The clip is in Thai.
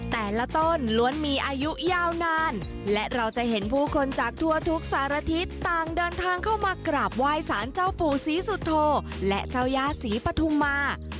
แต่ละต้นล้วนมีอายุยาวนานและเราจะเห็นผู้คนจากทั่วทุกสารทิศต่างเดินทางเข้ามากราบไหว้สารเจ้าปู่ศรีสุโธและเจ้าย่าศรีปฐุมา